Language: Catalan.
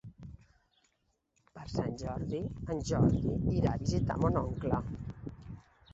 Per Sant Jordi en Jordi irà a visitar mon oncle.